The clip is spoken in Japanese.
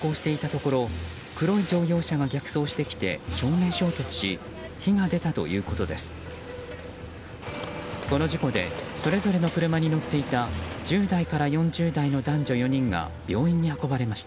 この事故でそれぞれの車に乗っていた１０代から４０代の男女４人が病院に運ばれました。